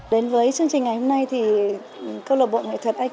đến với chương trình ngày hôm nay thì